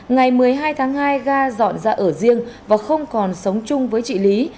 ngày một mươi hai tháng hai ga dọn ra ở riêng và không còn sống chung với chị lý